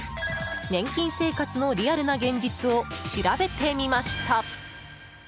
年金生活のリアルな現実を調べてみました。